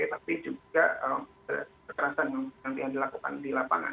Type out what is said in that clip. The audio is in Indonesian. tapi juga kekerasan yang dilakukan di lapangan